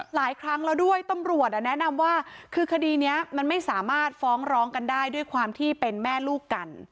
หลายครั้งแล้วด้วยตำรวจแนะนำว่าคือคดีนี้มันไม่สามารถฟ้องร้องกันได้ด้วยความที่เป็นแม่ลูกกัน